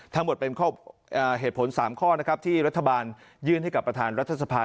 ทั้งหมดเป็นเหตุผล๓ข้อนะครับที่รัฐบาลยื่นให้กับประธานรัฐสภา